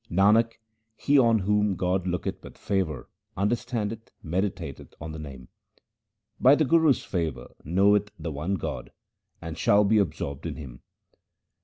Nanak, he on whom God looketh with favour under standeth, meditateth on the Name, By the Guru's favour knoweth the one God, and shall be absorbed in Him.